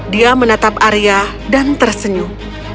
dia menatap arya dan tersenyum